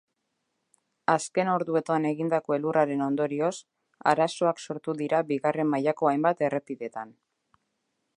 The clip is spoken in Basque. Azken orduotan egindako elurraren ondorioz, arazoak sortu dira bigarren mailako hainbat errepidetan.